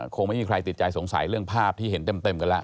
คงไม่มีใครติดใจสงสัยเรื่องภาพที่เห็นเต็มกันแล้ว